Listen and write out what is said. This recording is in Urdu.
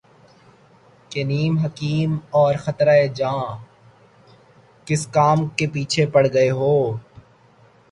کہ نیم حکیم اور خطرہ جان ، کس کام کے پیچھے پڑ گئے ہو